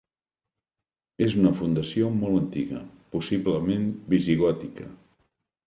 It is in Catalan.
És una fundació molt antiga, possiblement visigòtica.